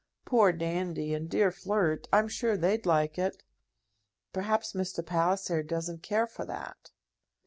Poor Dandy, and dear Flirt! I'm sure they'd like it." "Perhaps Mr. Palliser doesn't care for that?"